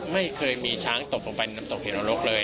ไม่เคยมีช้างตกลงไปน้ำตกเหลรกเลย